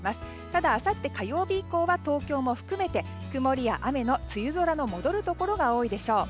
ただ、あさって火曜日以降は東京も含めて曇りや雨の梅雨空の戻るところが多いでしょう。